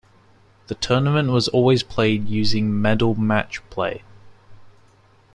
The tournament was always played using medal match play.